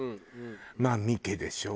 まあ三毛でしょ